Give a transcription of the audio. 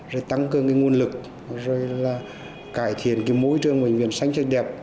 rồi tăng cơ cái nguồn lực rồi là cải thiện cái môi trường bệnh viện xanh xanh đẹp